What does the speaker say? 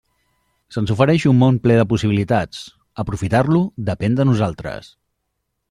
Se'ns ofereix un món ple de possibilitats; aprofitar-lo depèn de nosaltres.